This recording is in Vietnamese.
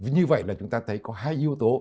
như vậy là chúng ta thấy có hai yếu tố